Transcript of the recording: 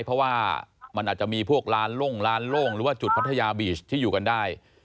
เพราะว่ามันอาจจะมีพวกลานโล่งลานโล่งหรือว่าจุดพัทยาบีชที่อยู่กันได้